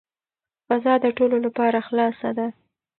فضا د ټولو لپاره خلاصه ده.